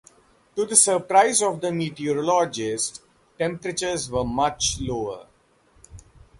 To the surprise of the meteorologist, temperatures were much lower.